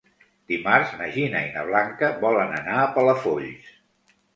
Dimarts na Gina i na Blanca volen anar a Palafolls.